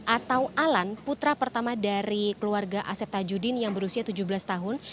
atau alan putra pertama dari keluarga asep tajudin yang berusia tujuh belas tahun